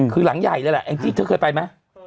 คือหลังใหญ่แล้วแหละแองจี๊เธอเคยไปมั้ย